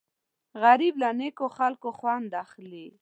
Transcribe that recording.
غریب له نیکو خلکو خوند اخلي